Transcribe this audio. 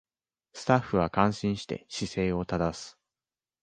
スタッフは感心して姿勢を正す